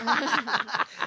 ハハハハ！